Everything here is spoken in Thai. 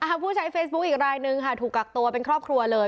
ผู้ใช้เฟซบุ๊คอีกรายนึงค่ะถูกกักตัวเป็นครอบครัวเลย